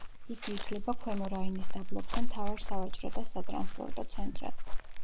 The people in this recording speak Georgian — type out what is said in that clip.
იგი ითვლება ქვემო რაინის დაბლობზე მთავარ სავაჭრო და სატრანსპორტო ცენტრად.